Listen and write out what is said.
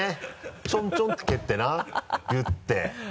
ちょんちょんって蹴ってなビュッて。